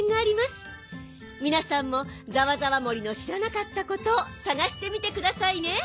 みなさんもざわざわ森のしらなかったことをさがしてみてくださいね。